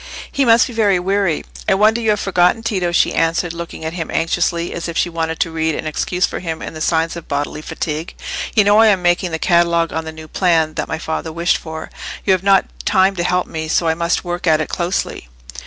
He must be very weary. "I wonder you have forgotten, Tito," she answered, looking at him anxiously, as if she wanted to read an excuse for him in the signs of bodily fatigue. "You know I am making the catalogue on the new plan that my father wished for; you have not time to help me, so I must work at it closely."